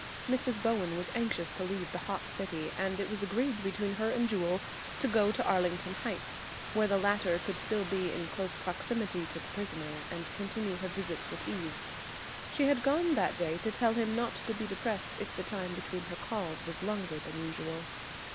Mrs. Bowen was anxious to leave the hot city, and it was agreed between her and Jewel to go to Arlington Heights, where the latter could still be in close proximity to the prisoner and continue her visits with ease. She had gone that day to tell him not to be depressed if the time between her calls was longer than usual.